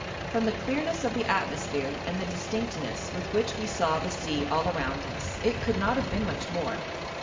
From the clearness of the atmosphere and the distinctness with which we saw the sea all around us, it could not have been much more.